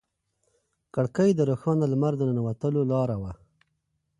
کړکۍ د روښانه لمر د ننوتلو لاره وه.